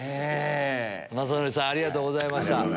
雅紀さんありがとうございました。